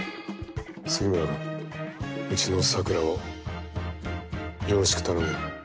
杉村君うちの咲良をよろしく頼むよ。